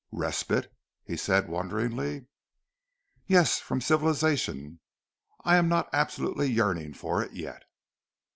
"Respite?" he said wonderingly. "Yes from civilization. I am not absolutely yearning for it yet."